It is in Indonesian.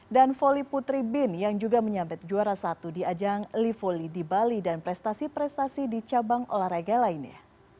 dan foli putri bin yang juga menyambet juara satu di ajang livoli di bali dan prestasi prestasi di cabang olahraga lainnya